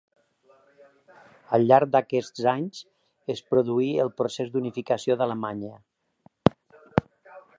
Al llarg d'aquests anys es produí el procés d'unificació d'Alemanya.